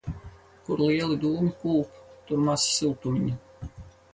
Kur lieli dūmi kūp, tur maz siltumiņa.